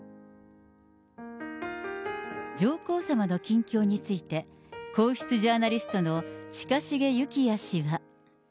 上皇さまの近況について、皇室ジャーナリストの近重幸哉氏は。